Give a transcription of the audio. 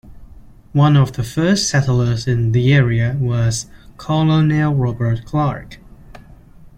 One of the first settlers in the area was Colonel Robert Clark.